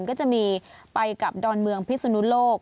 ก็จะมีไปกับดอนเมืองพิศนุโลก